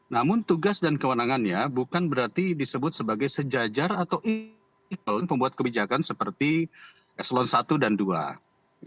namun tugas dan kewenangannya bukan berarti disebut sebagai sejajar atau pembuat kebijakan seperti eselon i dan ii